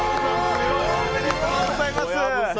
おめでとうございます。